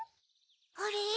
あれ？